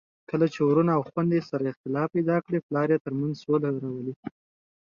کله چي وروڼه او خويندې سره اختلاف پیدا کړي، پلار یې ترمنځ سوله راولي.